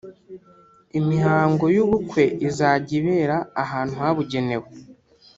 “Imihango y’ubukwe izajya ibera ahantu habugenewe